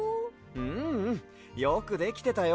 ううん。よくできてたよ。